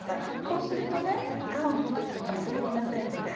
こうすると皮をむく時に滑りませんので。